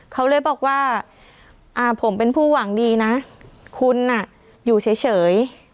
เขาเลยบอกว่าผมเป็นผู้หวังดีนะคุณอยู่เฉย